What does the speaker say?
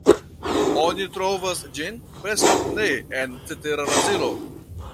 Oni trovas ĝin preskaŭ ne en cetera Brazilo.